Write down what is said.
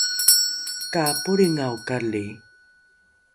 ka polringaokali